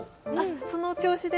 その調子で。